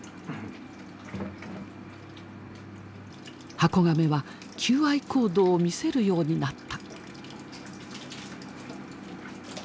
ハコガメは求愛行動を見せるようになった。